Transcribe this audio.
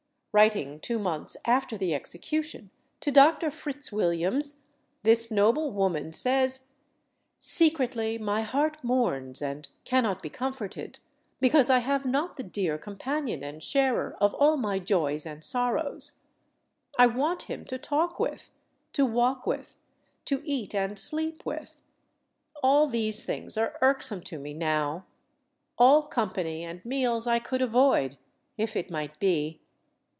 Writing two months after the execution to Dr. Fritzwilliams, this noble woman says: "Secretly, my heart mourns and cannot be comforted, because I have not the dear companion and sharer of all my joys and sorrows. I want him to talk with, to walk with, to eat and sleep with. All these things are irksome to me now; all company and meals I could avoid, if it might be....